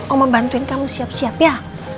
omah bantuin kamu siap siap ya